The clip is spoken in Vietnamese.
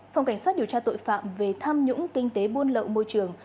phòng cảnh sát điều tra tội phạm về tham nhũng kinh tế buôn lậu môi trường